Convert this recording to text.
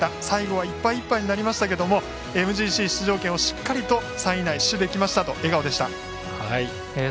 最後はいっぱいいっぱいになりましたけどＭＧＣ出場権をしっかりと３位内死守できましたと笑顔でした。